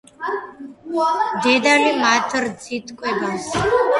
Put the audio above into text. დედალი მათ რძით კვებავს.